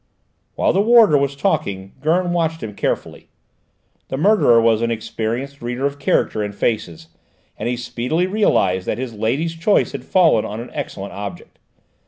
While the warder was talking Gurn watched him carefully. The murderer was an experienced reader of character in faces, and he speedily realised that his lady's choice had fallen on an excellent object.